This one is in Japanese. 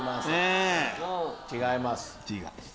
違います。